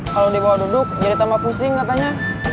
kalau dibawa duduk jadi tambah pusing katanya